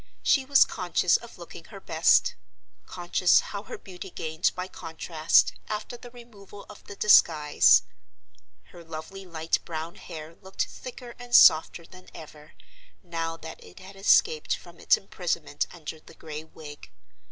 She was conscious of looking her best; conscious how her beauty gained by contrast, after the removal of the disguise. Her lovely light brown hair looked thicker and softer than ever, now that it had escaped from its imprisonment under the gray wig.